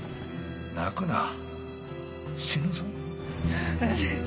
泣くな死ぬぞ親父！